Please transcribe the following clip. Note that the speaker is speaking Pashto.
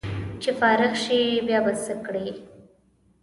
چې فارغ شې بیا به څه کړې